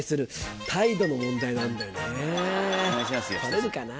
取れるかな？